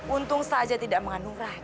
untung saja tidak mengandung rai